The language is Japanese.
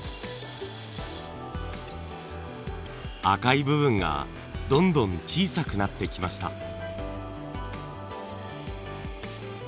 赤い部分がどんどん小さくなってきました。